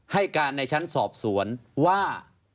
ให้การในชั้นสอบสวนว่า